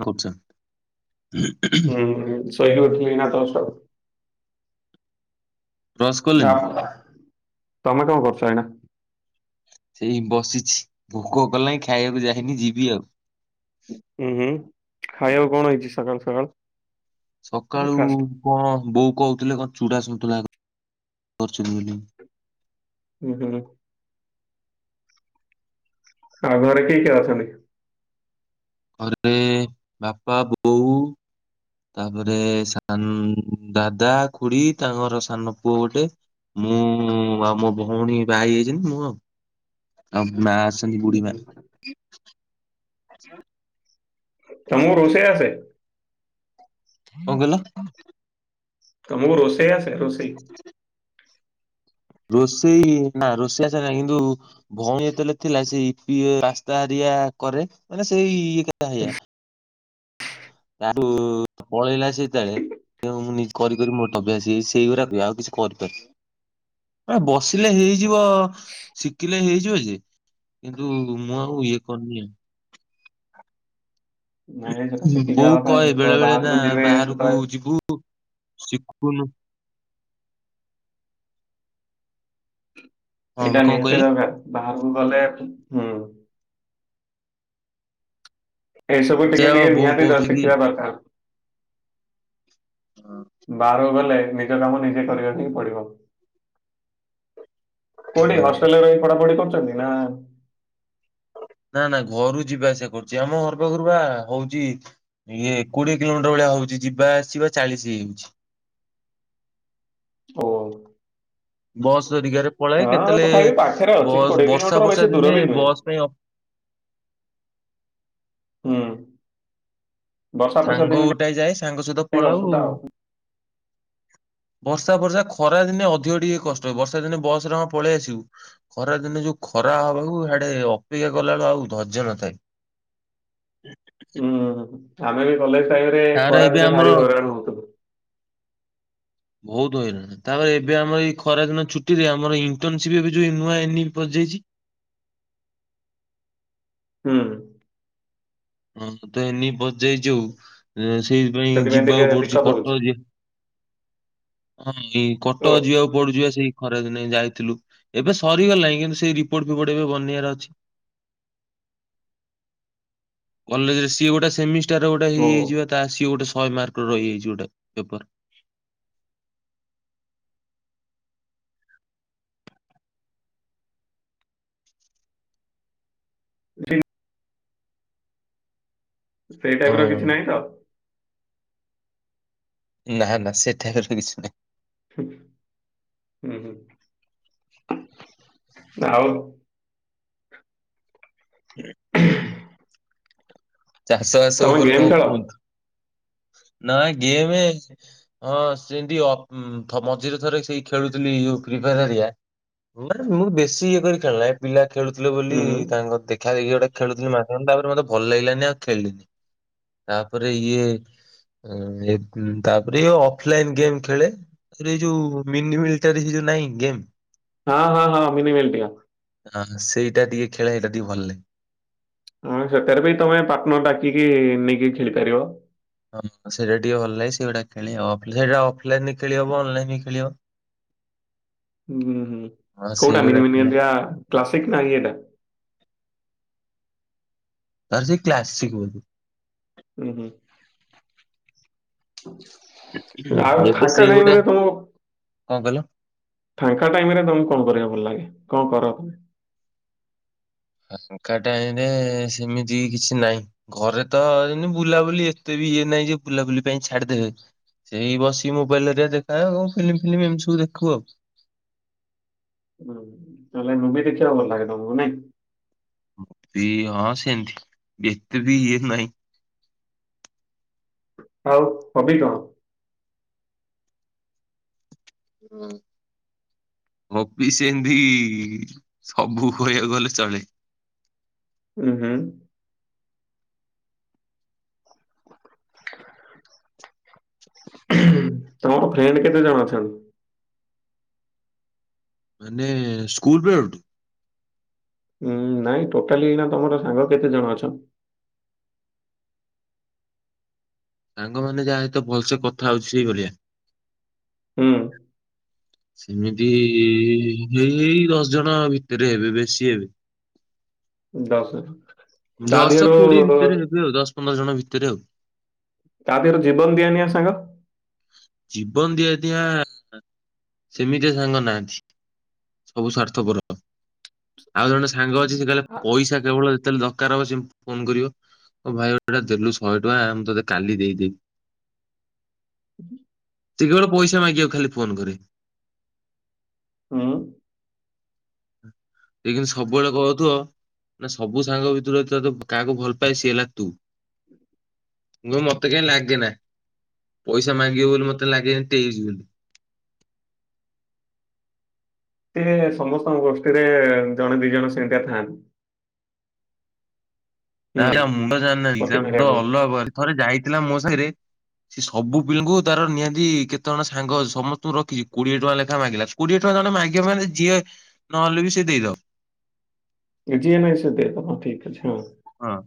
କଣ କରୁଚ? ହୁଁ ଶୋଇକି ଉଠୁଚି ଏଇନା ଜଷ୍ଟ। ବ୍ରସ୍ କଲେଣି? [unintelligible] ତମେ କଣ କରୁଚ ଏଇନା? ସେଇ ବସିଚି ଭୋକ କଲାଣି ଖାଇବାକୁ ଯାଇନି ଯିବି ଆଉ। ଉଁ ଖାଇବାକୁ କଣ ହେଇଚି ସକାଳୁ ସକାଳୁ? ସକାଳୁ ବ୍ରେକଫାଷ୍ଟ? କଣ ବୋଉ କୋହୁଥିଲେ କଣ ଚୁଡା ସନ୍ତୁଳା କରିଚନ୍ତି ବୋଲି। ହୁଁ ହୁଁ। ଆଉ ଘରେ କିଏ କିଏ ଅଛନ୍ତି? ଘରେ ବାପା ବୋଉ ତାପରେ ସାନ ଦାଦା ଖୁଡି ତାଙ୍କର ସାନ ପୁଅ ଗୋଟେ। ମୁଁ ଆଉ ମୋ ଭଉଣୀ ବାହା ହେଇ ଯାଇଚନ୍ତି ମୁଁ ଆଉ। ଆ ମା ଅଚନ୍ତି ହୁଁ ବୁ଼ଢିମା। ହୁଁ ତମକୁ ରୋଷେଇ ଆସେ? କଣ କହିଲ ତମକୁ ରୋଷେଇ ଆସେ ରୋଷେଇ? ହଁ। ରୋଷେଇ ନା ରୋଷେଇ ଆସିଲା ନାହିଁ କିନ୍ତୁ ଭୋଉଣୀ ଯେତେବେଳେ ଥିଲା ସେ ଇପି, ପାସ୍ତା ହେରିକା କରେ ମାନେ ସେଇ ଇଏ କଥା ହେଇଆ। ତାଠୁ ପଳେଇଲା ସେ ଯେତେବେଳେ ମୁଁ ନି କରିି କରି ମୋର ତ ଅଭ୍ୟାସ ସେଇଗୁରାକ ଆଉ କିଛି କରିପାରି ଆ ବସିଲେ ହେଇଯିବ। ଶିଖିଲେ ହେଇଯିବ ଯେ କିନ୍ତୁ ମୁଁ ଆଉ ଇଏ କରିନି ଆଉ। ନାଇଁ ସେଟା ଶିଖିଯିବା ବୋଉ କଥା କହେ ବେଳେ ଯେତେବେଳେ ବେଳେ ନା ବାହାରକୁ ଯିବେ ବାହାରକୁ ସେତେବେଳେ ଯିବୁ ଶିକୁନୁ। ହଁ ଏଇଟା କଣ ନିହାତି କହିଲେ? ଦରକାର ବାହାରକୁ ଗଲେ ହୁଁ। ଏଇ ସବୁ ଟିକେ ସେଇଆ ଟିକେ ବୋଉ ନିହାତି ଦ କହୁଥିଲେ କି ଶିଖିବା ଦରକାର। ହଁ। ବାହାରକୁ ଗଲେ ନିଜ କାମ ନିଜେ କରିବାକୁ ହିଁ ପଡିବ। କୋଉଠି ହଷ୍ଟେଲରେ ରହିକି ପଢାପଢି କରୁଚନ୍ତି ନା ନା ନା ଘରୁ ଯିବା ଆସିବା କରୁଚି ଆମ ଘର ପାଖରୁ ବା ହୋଉଚି ଇଏ କୋଡିଏ କିଲୋମିଟର ଭଳିଆ ହୋଉଚି। ଯିବା ଆସିବା ଚାଳିଶ ହେଇଯାଉଚି। ଓ। ବସ୍ ହେରିକାରେ ପଳାଏ ହଁ କେତେବଳେ ତଥାପି ପାଖରେ ଅଛି ବସ୍ କୋଡ଼ିଏ ବର୍ଷା କିଲୋମିଟର ବେଶୀ ବର୍ଷା ଦୂର ଦିନେ ବି ନୁହେଁ ବସ୍ ପାଇଁ ଅ ଅପ୍ ହୁଁ। ବର୍ଷା ଫର୍ଷା ସାଙ୍ଗ ଦିନେ ଗୋଟାଏ ଯାଏ। ସାଙ୍ଗ ସହିତ ଟିକେ ପଳାଉ। ଅସୁବିଧା ଆଉ ବର୍ଷା ବର୍ଷା ଖରା ଦିନେ ଅଧିକ ଟିକେ କଷ୍ଟ ହୁଏ। ବର୍ଷା ଦିନେ ବସରେ ଆମେ ପଳେଇ ଆସିବୁ। ଖରା ଦିନେ ଯୋଉ ଖରା ହବାକୁ ହିଆଡେ ଅପେକ୍ଷା କଲା ବଳୁକୁ ଆଉ ଧର୍ଯ୍ୟ ନଥାଏ। ହୁଁ ଆମେ ବି କଲେଜ୍ ଟାଇମ୍ ରେ ତାର ଖରା ଏବେ ଦିନେ ଆମର ଭାରି ହଇରାଣ ହଉ। ବହୁତ ହଇରାଣ। ତାପରେ ଏବେ ଆମର ଏଇ ଖରାଦିନ ଛୁଟିରେ ଆମର ଇଣ୍ଟର୍ନସିପ ଏବେ ଯୋଉ ନୂଆ ଇନି ପସିଯାଇଛି। ହୁଁ। ହଁ ତ ଏନି ପଚେଇଛି ଯୋଉ ସେଇଥିପାଇଁ ସେଥିପାଇଁ ଟିକେ ଯିବାକୁ ପଡୁଛି। ଦିକ୍କତ ହଉଛି କଟକ ଯି ହଁ ଏଇ ଓ କଟକ ଯିବାକୁ ପଡୁଯିବା ସେଇ ଖରାଦିନେ ଯାଇଥିଲୁ। ଏବେ ସରିଗଲାଣି। କିନ୍ତୁ ସେଇ ରିପୋର୍ଟ ଫିପୋର୍ଟ ଏବେ ବନ୍ୟାର ଅଛି। କଲେଜରେ ସିଏ ଗୋଟେ ସେମିଷ୍ଟାର ଗୋଟେ ଓ ହେଇ ହେଇ ଯିବା ତା ସିଏ ଗୋଟେ ଶହେ ମାର୍କ ରହିଯାଇଛି ଗୋଟେ ପେପର। ହେଇ ସେଇ ଟାଇପ୍ ର ହଁ କିଛି ନାହିଁ ତ। ନା ନା ସେଠାର ତ କିଛି ନାହିଁ। ହୁଁ ହୁଁ। ଆଉ। ହୁଁ ଚାଷ ବାସ ତମେ ଉପରେ ଗେମ୍ କଣ ଖେଳ କୁହନ୍ତୁ? ନା ଗେମେ ହଁ ସେମତି ମଝିରେ ଥରେ ସେଇ ଖେଳୁଥିଲି ପ୍ରିଫରିଆ। ମାନେ ମୁଁ ବେଶୀ ଇଏ କରି ଖେଳ ନାହିଁ। ପିଲା ଖେଳୁଥିଲେ ବୋଲି ହୁଁ ହୁଁ। ତାଙ୍କ ଦେଖା ଦେଖି ଗୋଟେ ଖେଳୁଥିଲେ ମାସେ ତାପରେ ମତେ ଭଲ ଲାଗିଲାନି ଆଉ ଖେଳିଲିନି। ତାପରେ ଇଏ ତାପରେ ଇଏ ଅଫଲାଇନ୍ ଗେମ୍ ଖେଳେ। ଇ ଯୋଉ ମିନି ମଟାରୀ ଯୋଉ ନାଇଁ ଗେମ୍। ହଁ ହଁ ହଁ ମିନି ମେଲ ଟିକା। ହଁ ସେଇଟା ଟିକେ ଖେଳେ। ଏଇଟା ଟିକେ ଭଲ ଲାଗେ। ହଁ ସେଥିରେ ବି ତମେ ପାର୍ଟନର ଡାକିକି ନେଇକି ଖେଳି ପାରିବ। ହଁ ସେଇଟା ଟିକେ ଭଲ ଲାଗେ। ସେଇଗୁଡା ଖେଳେ ଆଉ। ସେଇଟା ଅଫଲାଇନ୍ ଖେଳି ହବ। ଅନଲାଇନ୍ ଖେଳି ହବ। ହୁଁ ହୁଁ ହଁ କୋଉଟା ସେଇଗୁଡା ମିନିମିନି ଖେଳେ କ୍ଲସିକ ନା ଇଏଟା। ତାର ସେ କ୍ଲାସିକ ବୋଧେ। ହୁଁ ହୁଁ। ଆଉ ଏବେ ଫାଙ୍କା ଟାଇମ୍ ସେଇଗୁଡା ରେ ତ ମୁଁ କଣ କହିଲ ଫାଙ୍କା ଟାଇମ୍ ରେ ତମେ କଣ କରିବା ଭଲ ଲାଗେ? କଣ କର ତମେ? ଫାଙ୍କା ଟାଇମ୍ ରେ ସେମିତି କିଛି ନାହିଁ। ଘରେ ତ ଏଇନେ ବୁଲାବୁଲି ଏତେ ବି ଇଏ ନାହିଁ ଯେ ବୁଲାବୁଲି ପାଇଁ ଛାଡିଦେବେ। ସେଇ ବସି ମୋବାଇଲରେ ଟିକେ ଦେଖାଏ। ଆଉ ଫିଲ୍ମ ଫିଲମ ଏମିତି ସବୁ ଦେଖୁ ଆଉ। ତାହେଲେ ମୁଭି ଦେଖିବାକୁ ଭଲ ଲାଗେ ତମକୁ ନାଇଁ। ବି ହଁ ସେମିତି ଏତେବି ଇଏ ନାହିଁ। ଆଉ ଅଧିକ। ହୁଁ। ଅଫିସ ସେମିତି ସବୁ କହିବାକୁ ଗଲେ ଚଳେ। ହୁଁ ହୁଁ। ତମର ଫ୍ରେଣ୍ଡ କେତେ ଜଣ ଅଛନ୍ତି? ମାନେ ସ୍କୁଲ ବେଳଠୁ। ହୁଁ, ନାଇଁ ଟୋଟାଲି ଏଇନା ତମର ସାଙ୍ଗ କେତେ ଜଣ ଅଛ? ସାଙ୍ଗ ମାନେ ଯାହା ସହିତ ଭଲସେ କଥା ହଉଛି ସେଇ ଭଳିଆ। ହୁଁ। [inaudible] ସେମିତି ହେଇ ହେଇ ଦଶ ଜଣ ଭିତରେ ହେବେ। ବେଶୀ ହେବେନି। ଦଶ ତା ଦଶ ଦେହରୁ କୋଡିଏ ଭିତରେ ହେବେ ଆଉ ଦଶ ପନ୍ଦର ଜଣ ଭିତରେ ଆଉ। ତା ଦେହରେ ଜୀବନ ଦିଆ ନିଆ ସାଙ୍ଗ ଜୀବନ ଦିଆ ଦିଆ ନା ସେମିତିଆ ସାଙ୍ଗ ନାହାନ୍ତି ସବୁ ସ୍ୱାର୍ଥପର ଆଉ ଜଣେ ସାଙ୍ଗ ଅଛି ସେ ଖାଲି ପଇସା କେବଳ ଯେତେବେଳେ ଦରକାର ହବ ସେ ମତେ ଫୋନ କରିବ ମୋ ଭାଇଟା ଦେଲୁ ଶହେ ଟଙ୍କା ମୁଁ ତୋତେ କାଲି ଦେଇଦେବି। ଟିକେ ବେଳୁ ପଇସା ମାଗି ବାକୁ ଖାଲି ଫୋନ କରେ ହଁ ଏ ଖିନିସବୁବେଳେ କହୁଥିବ ନା ସବୁ ସାଙ୍ଗ ଭିତରୁ ତ କାହାକୁ ଭଲ ପାଏ ସିଏ ହେଲା ତୁ ମୁଁ କହିମି ମତେ କାଇହିଁ ଲାଗେ ନା ପଇସା ମାଗିବ ବୋଲି ମତେ ଲାଗେ ଏମିତି [unintelligible] ସେ ସମସ୍ତଙ୍କ ଗୋଷ୍ଠୀରେ ଜଣେ ଦି ଜଣ ସେମିତିଆ ଥାଆନ୍ତି। ହୁଁ, [unintelligible] ମୁଣ୍ଡ ଜାଣିନାହାନ୍ତି ପଟି ତା ମାରିବା ମୁଣ୍ଡ ପାଇଁ। ଅଲଗା କ ଥରେ ଯାଇଥିଲା ମୋ ସାହିରେ ସେ ସବୁ ପିଲଙ୍କୁ ତାର ନିହାତି କେତେ ଜଣ ସାଙ୍ଗ ସମସ୍ତଙ୍କୁ ରଖିଛି କୋଡିଏ ଟଙ୍କା ଲେଖାଏ ମାଗିଲା ସ କୋଡିଏ ଟଙ୍କା ଜଣେ ମାଗିବ ମାନେ ଯିଏ ନହଲେ ବି ସିଏ ଦେଇଦେବ ଯିଏ ନାଇ ସେ ଦେଇ ଦବ ଠିକ୍ ଅଛି ହଁ ହଁ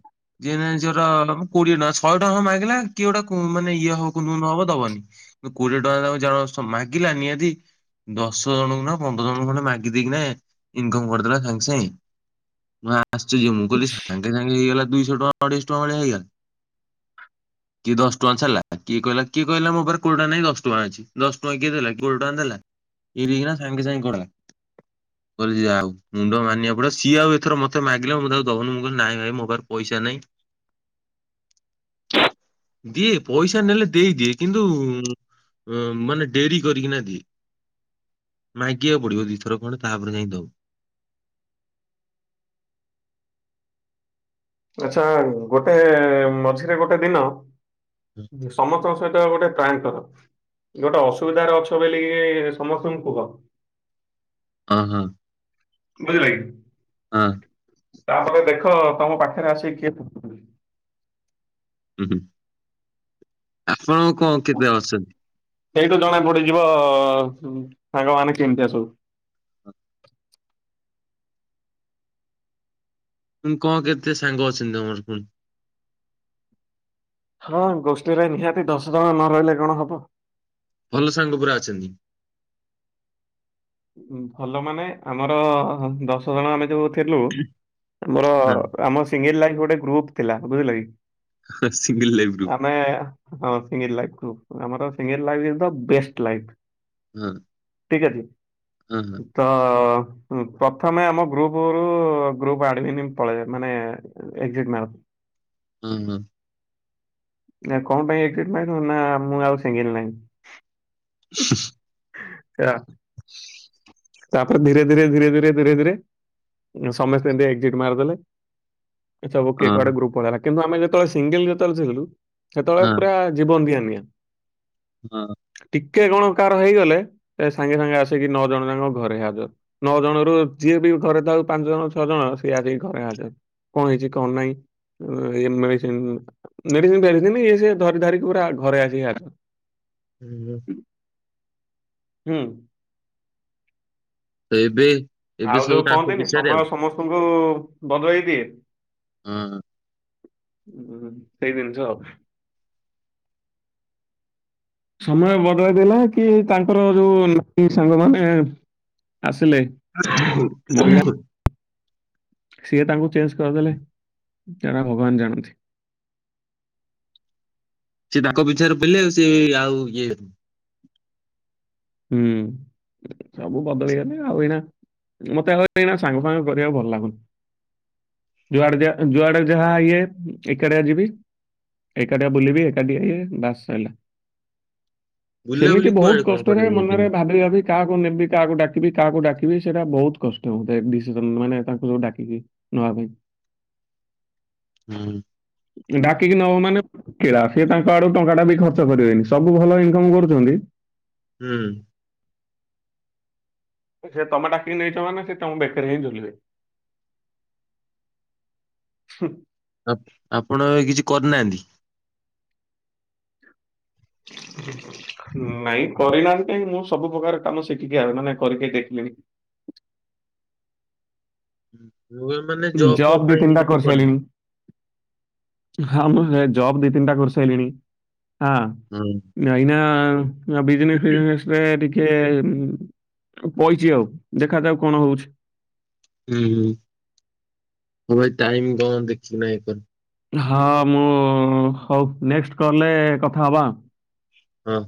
ଯିଏନାହିଁ [unintelligible] କୋଡିଏ ଟଙ୍କା ଶହେ ଟଙ୍କା ହ ମାଗିଲା କିଏ ଗୋଟା ମାନେ ଇଏ ହବ ନୁ ନ ହବ ଦବନି କିନ୍ତୁ କୋଡିଏ ଟଙ୍କା ତାକୁ ଜଣ ସ ମାଗିଲା ନିହାତି ଦଶ ଜଣଙ୍କୁ ନା ପନ୍ଦର ଜଣଙ୍କୁ ଖଣ୍ଡେ ମାଗି ଦେଇକିନା ଇନକମ କରିଦେଲା ସାଙ୍ଗେ ସାଙ୍ଗେ ମୁଁ ଆଶ୍ଚର୍ଯ୍ୟ ମୁଁ କହିଲି ସାଙ୍ଗେ ସାଙ୍ଗେ ହେଇଗଲା ଦୁଇଶହ ଟଙ୍କା ଅଢେଇଶହ ଟଙ୍କା ଭଳିଆ ହେଇଗଲା କିଏ ଦଶ ଟଙ୍କା ଛାଡିଲା କିଏ କହିଲା କିଏ କହିଲା ମୋ ପାଖରେ କୋଡିଏ ଟଙ୍କା ନାଇଁ ଦଶ ଟଙ୍କା ଅଛି ଦଶ ଟଙ୍କା କିଏ ଦେଲା ଗୋଳ ଟାଲା କି ରିଗାଁ ସାଙ୍ଗେ ସାଙ୍ଗେଡ଼ା କହିଲି ଯାହାହେଉ ମୁଣ୍ଡ ମାନିବାକୁ ପଡିବ ସିଏ ଆଉ ଏଥର ମତେ ମାଗିଲେ ମୋତେ ଆଉ ଦବନୁ ମୁଁ ନାଇଁ ଭାଇ ମୋ ପାଖ ରେ ପଇସା ନାଇଁ ଦିଏ ପଇସା ନେଲେ ଦେଇଦିଏ କିନ୍ତୁ ଅ ମାନେ ଡେରି କରିକିନା ଦିଏ ମାଗିବାକୁ ପଡିବ ଦିଥର ଖଣ୍ଡେ ତାପରେ ଯାଇଁଦବ ଆଛା ଗୋଟେ ମଝିରେ ଗୋଟେ ଦିନ ସମସ୍ତଙ୍କ ସହିତ ଗୋଟେ ପ୍ରାଙ୍କ୍ କର। ଗୋଟେ ଅସୁବିଧାରେ ଅଛ ବୋଲି କି ସମସ୍ତଙ୍କୁ କୁହ। ଓହୋ। ବୁଝିଲେ କି। ହଁ। ତାପରେ ଦେଖ ତମ ପାଖରେ ଆସିକି କିଏ ହୁଁ -ହୁଁ ଆପଣଙ୍କ କେବେ ଅସନ୍ତି। ସେଇଠୁ ଜଣାପଡିଯିବ ସାଙ୍ଗମାନେ କେମିତିଆ ସବୁ। ତ କଣ କେତେ ସାଙ୍ଗ ଅଛନ୍ତି ତମର ପୁଣି? ହଁ ଗୋଷ୍ଠୀରେ ନିହାତି ଦଶ ଜଣ ନ ରହିଲେ କଣ ହବ ଭଲ ସାଙ୍ଗ ପୁରା ଅଛନ୍ତି। ଭଲ ମାନେ ଆମର ଦଶ ଜଣ ଆମେ ଯୋଉ ଥେଲୁ ଆମର ଆମ ସିଙ୍ଗିଲ୍ ଲାଇଫ୍ ଗୋଟେ ଗ୍ରୁପ ଥିଲା ବୁଝିଲ କି ହଁ ସିଙ୍ଗଲ ଲାଇଫ ଗ୍ରୁପ ଆମେ ହଁ ସିଙ୍ଗଲ୍ ଲାଇଫ୍ ଆମର single life is the best life ହୁଁ ଠିକ୍ ଅଛି। [inaudible] ତ ଉ ପ୍ରଥମେ ଆମ ଗ୍ରୁପରୁ ଗ୍ରୁପ ଆଡମିନ ପଳେଇ ମାନେ ଏଗଜିଟ୍ ମାର। ହୁ ହୁ। ନା କଣ ପାଇଁ ଏଗଜିଟ୍ ମାଇଲୁ ନା ମୁଁ ଆଉ ସିଙ୍ଗିଲ୍ ନାହିଁ। ହେଲା ତାପରେ ଧୀରେ, ଧୀରେ, ଧୀରେ, ଧୀରେ, ଧୀରେ, ଧୀରେ ସମସ୍ତେ ଏମିତି ଏକକ୍ଜିଟ୍ ମାରଦେଲେ ସବୁ କିଏ କୁଆଡେ ହଁ ଗ୍ରୁପ୍ ପଳେଇଲା, କିନ୍ତୁ ଆମେ ଯେତବେଳେ ସିଙ୍ଗିଲ୍ ଯେତେବେଳେ ଥିଲୁ ହଁ। ସେତବେଳେ ପୁରା ଜୀବନ ଦିଆ ନିଆ। ହଁ। ଟିକେ କଣ କାର ହେଇଗଲେ ସେ ସାଙ୍ଗେ ସାଙ୍ଗେ ଆସିକି ନଅ ଜଣ ଯାକ ଘରେ ହାଜର। ନଅ ଜଣ ରୁ ଯିଏ ବି ଘରେ ଥାଉ ପାଞ୍ଚ ଜଣ ଛଅ ଜଣ ସିଏ ଆସି ଘରେ ହାଜର। କଣ ହେଇଛି କଣ ନାହିଁ ଏ ମେଡ଼ିସିନ୍, ମେଡ଼ିସିନ୍ ଫେଡ଼ି ସିନ୍, ସେ ଧରି ଧରାକି ପୁରା ଘରେ ଆସିକି ହାଜର ହୁଁ। ହୁଁ। ତ ଏବେ ଏବେ ଆଉ ସବୁ ଯୋଉ ତାଙ୍କ କହନ୍ତିନି ପିଛାରେ ସମୟ ଆଉ ସମସ୍ତଙ୍କୁ ବଦଳେଇ ଦିଏ ହୁଁ। ହୁଁ ସେଇ ଜିନିଷ ଆଉ। ସମୟ ବଦଳେଇ ଦେଲା କି ତାଙ୍କର ଯୋଉ ନୀ- ସାଙ୍ଗମାନେ ଆସିଲେ ହଁ ହ ମହିଳା [unintelligible] ସିଏ ତାଙ୍କୁ ଚେଞ୍ଜ କରିଦେଲେ ସେଟା ଭଗବାନ ଜାଣନ୍ତି। ସେ ତାଙ୍କ ପିଛାରେ ଥିଲେ ସିଏ ଆଉ ଇଏ ହୁଁ। ସବୁ ବଦଳିଗଲେ ଆଉ ଏଇନା ମତେ ଆଉ ଏଇନା ସାଙ୍ଗ ଫାଙ୍ଗ କରିବାକୁ ଭଲ ଲାଗୁନି। ଯୁଆଡେ ଯାହା ଯୁଆଡେ ଯାହା ଇଏ ଏକେଡିଆ ଯିବି। ଏକାଡିଆ ବୁଲିବି ଏକାଡିଆ ଇଏ ବାସ୍ ସରିଲା, ବୁଲାବୁଲି ସେମିତି କୁଆଡେ ବହୁତ କଣ କଷ୍ଟ କରିବାକୁ ଯାଇଛନ୍ତି? ଭାବି ଭାବି କାହାକୁ ନେବି କାହାକୁ ଡାକିବି କାହାକୁ ଡାକିବି ସେଟା ବହୁତ କଷ୍ଟ ହଉଥାଏ ଡିସିସନ୍ ମାନେ ତାଙ୍କୁ ଡାକିକି ନବାପାଇଁ। ହୁଁ। ଡାକିକି ନବ ମାନେ କିଳା ସିଏ ତାଙ୍କ ଆଡୁ ଟଙ୍କା ଟା ବି ଖର୍ଚ କରିବେନି ସବୁ ଭଲ ଇନକମ୍ କରୁଚନ୍ତି ହୁଁ। ସେ ତମେ ଡାକିକି ନେଇଛ ମାନେ ସେ ତମ ବେକରେ ହିଁ ଝୁଲିବେ। ହ। ତ ଆପଣ ଏବେ କିଛି କରିନାହାନ୍ତି? [inaudible] ନାଇଁ କରିନାହାନ୍ତି କାଇଁ ମୁଁ ସବୁ ପ୍ରକାର କାମ ଶିଖିକି ଆ ମାନେ କରିକି ଦେଖିଲିଣି। [unintelligible] ଫବ୍ ଜବ୍ ଦି ପାଇଁ ତିନିଟା କିଛି କରିନି। କରିସାଇଲିଣି। ହଁ ମୁଁ ଜବ୍ ଦି ତିନିଟା କରିସାଇଲିଣି। ହଁ। ହୁଁ। ନାଇନା ଆ ବିଜିନେସ ଫିଜିନେସ ଏବେ ଟିକେ ପଇଚି ଆଉ, ଦେଖାଯାଉ କଣ ହଉଛି। ହୁଁ। ହଁ ଭାଇ ଟାଇମ୍ ତ ଦେଖିନାଇ ଇଏ କର ହଁ ମୁଁ ହଉ ନେଷ୍ଟ କଲରେ କଥା ହବା। ହଁ।